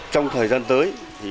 trong thời gian tới